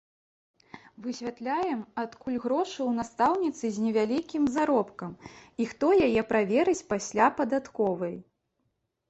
Высвятляем, адкуль грошы ў настаўніцы з невялікім заробкам і хто яе праверыць пасля падатковай.